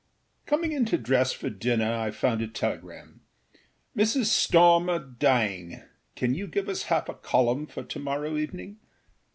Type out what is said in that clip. COMING in to dress for dinner, I found a telegram: âMrs. Stormer dying; can you give us half a column for to morrow evening?